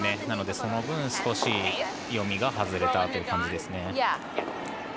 なのでその分、少し読みが外れたという感じですね。